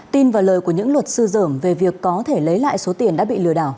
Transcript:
tin và lời của những luật sư dởm về việc có thể lấy lại số tiền đã bị lừa đảo